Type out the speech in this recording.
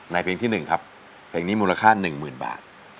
เพลงที่๑ครับเพลงนี้มูลค่า๑๐๐๐บาท